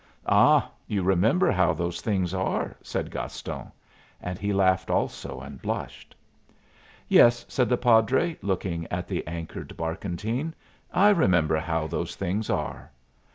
"Ah, you remember how those things are!" said Gaston; and he laughed also and blushed. "Yes," said the padre, looking at the anchored barkentine, "I remember how those things are."